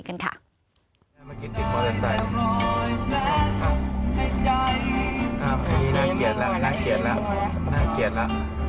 จะเข้าไปน่ะ